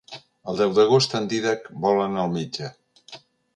El deu d'agost en Dídac vol anar al metge.